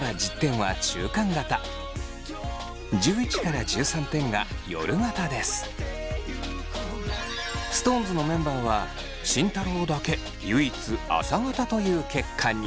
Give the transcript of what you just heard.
合計点がＳｉｘＴＯＮＥＳのメンバーは慎太郎だけ唯一朝型という結果に。